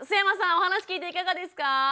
お話聞いていかがですか？